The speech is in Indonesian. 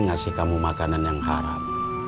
ngasih kamu makanan yang haram